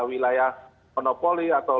wilayah monopoli atau